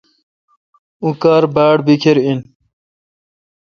اوں کار باڑ بکھر این۔